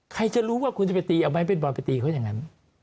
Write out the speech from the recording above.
ใครจะรู้ว่าคุณจะไปตีเอาไหมเป็นบอยไปตีเขาอย่างนั้น